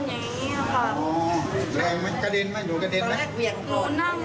หนูนั่งหนูนั่งแล้วก็